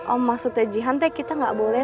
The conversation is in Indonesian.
oh maksudnya jihan teh kita gak boleh